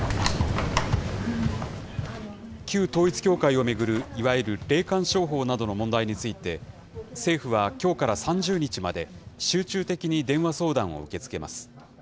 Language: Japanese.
旧統一教会を巡る、いわゆる霊感商法などの問題について、政府はきょうから３０日まで、集中的に電話相談を受け付けます。